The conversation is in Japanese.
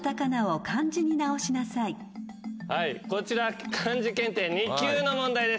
こちら漢字検定２級の問題です。